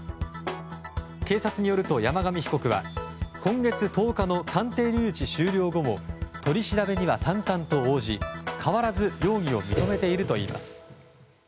警察によると、山上被告は今月１０日の鑑定留置終了後も取り調べには淡々と応じ変わらず容疑を認めているといいます。